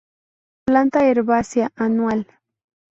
Planta herbácea, anual.